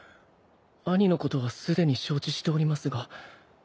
兄のことはすでに承知しておりますがあの。